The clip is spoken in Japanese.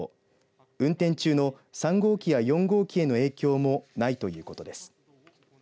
運転中の３号機や４号機への影響もないということです。